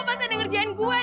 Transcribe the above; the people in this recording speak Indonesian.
pasti ada ngerjain gue